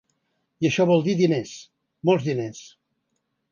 I això vol dir diners, molts diners.